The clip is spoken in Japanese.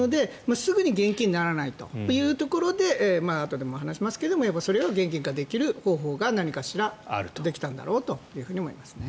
すぐに現金にならないというところであとでも話しますがそれを現金化できる方法が何かしらあるんだろうと。